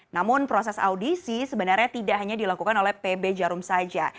namun proses audisi sebenarnya tidak hanya dilakukan oleh pb jarum saja